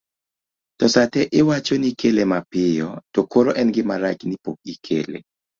to sate iwacho ni ikele mapiyo to koro en gima rach ni pok ikele